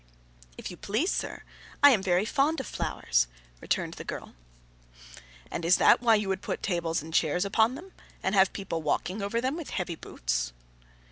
'If you please, sir, I am very fond of flowers,' returned the girl. 'And is that why you would put tables and chairs upon them, and have people walking over them with heavy boots?